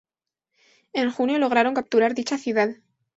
En junio, lograron capturar dicha ciudad.